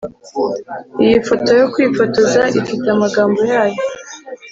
iyi foto yo kwifotoza ifite amagambo yayo.